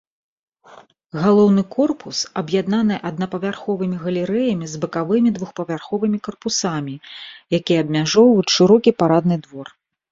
Галоўны корпус аб'яднаны аднапавярховымі галерэямі з бакавымі двухпавярховымі карпусамі, якія абмяжоўваюць шырокі парадны двор.